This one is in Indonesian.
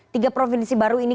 tiga provinsi baru ini